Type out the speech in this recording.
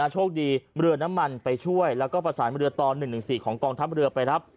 โชคดีเรือน้ำมันไปช่วยแล้วก็ประสานเรือต่อ๑๑๔ของกองทัพเรือไปรับ